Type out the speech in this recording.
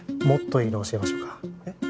もっといいの教えましょうか？